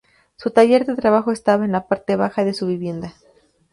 Su taller de trabajo estaba en la parte baja de su vivienda.